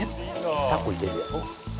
タコ入れるやろ。